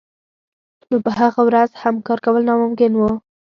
نو په هغه ورځ هم کار کول ناممکن وو